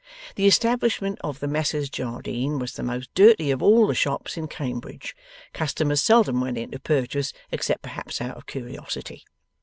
The establishment of the Messrs Jardine was the most dirty of all the shops in Cambridge. Customers seldom went in to purchase, except perhaps out of curiosity.